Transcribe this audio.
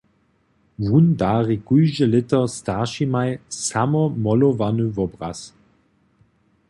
Wón dari kóžde lěto staršimaj samo molowany wobraz.